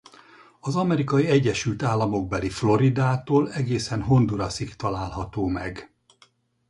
Az Amerikai Egyesült Államokbeli Floridától egészen Hondurasig található meg.